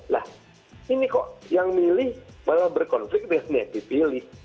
lah ini kok yang milih malah berkonflik dengan yang dipilih